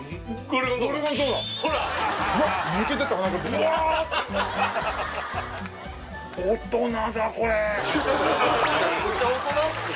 ブワーッてめちゃくちゃ大人っすよ